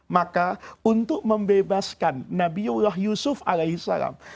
maka untuk membebaskan nabi yusuf alaihissalam